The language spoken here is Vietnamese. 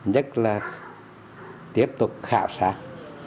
nhất là tiếp tục khảo sát